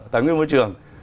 tài nguyên môi trường